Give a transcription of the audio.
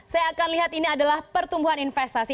saya akan lihat ini adalah pertumbuhan investasi